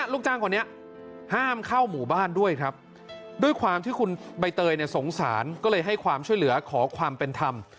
ลูกจ้างคนนี้ห้ามเข้าหมู่บ้านด้วยครับด้วยความที่คุณใบเตยเนี่ยสงสารก็เลยให้ความช่วยเหลือขอความเป็นธรรม